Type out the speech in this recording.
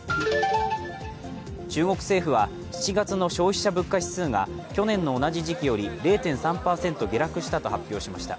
中国政府は７月の消費者物価指数が去年の同じ時期より０．３％下落したと発表しました。